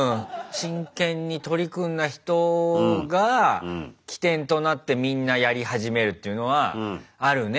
真剣に取り組んだ人が起点となってみんなやり始めるっていうのはあるね。